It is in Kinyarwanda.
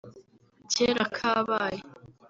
Kera kabaye